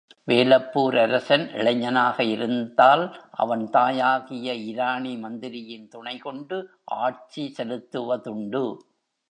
வேலப்பூர் அரசன் இளைஞனாக இருந்தால், அவன் தாயாகிய இராணி மந்திரியின் துணைகொண்டு ஆட்சி செலுத்துவதுண்டு.